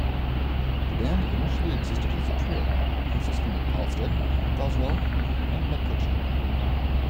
The band initially existed as a trio, consisting of Halstead, Goswell, and McCutcheon.